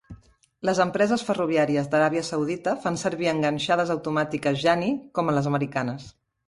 Les empreses ferroviàries d'Aràbia Saudita fan servir enganxades automàtiques Janney com les americanes.